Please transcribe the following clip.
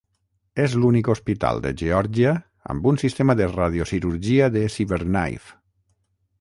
És l'únic hospital de Geòrgia amb un sistema de radiocirurgia de CyberKnife.